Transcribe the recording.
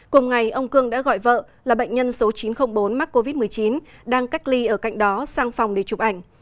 cùng ngày ông cương đã gọi vợ là bệnh nhân số chín trăm linh bốn mắc covid một mươi chín đang cách ly ở cạnh đó sang phòng để chụp ảnh